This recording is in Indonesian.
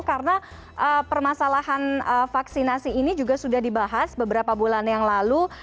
karena permasalahan vaksinasi ini juga sudah dibahas beberapa bulan yang lalu